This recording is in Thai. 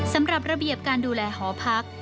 สำหรับระเบียบการดูแลหอพัก